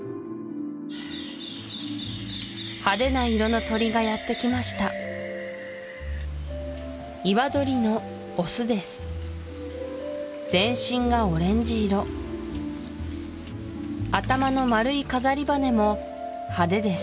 派手な色の鳥がやってきましたイワドリのオスです全身がオレンジ色頭の丸い飾り羽も派手です